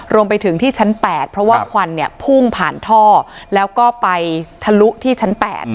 รวมไปถึงที่ชั้น๘เพราะว่าควันเนี่ยพุ่งผ่านท่อแล้วก็ไปทะลุที่ชั้น๘